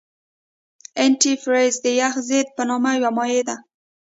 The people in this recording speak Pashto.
انتي فریز د یخ ضد په نامه یو مایع ده.